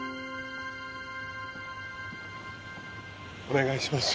お願いします